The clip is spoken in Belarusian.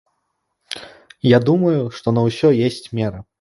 Я думаю, што на ўсё ёсць мера.